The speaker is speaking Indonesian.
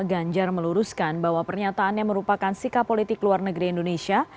ganjar meluruskan bahwa pernyataannya merupakan sikap politik luar negeri indonesia